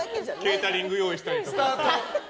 ケータリング用意したりとかね。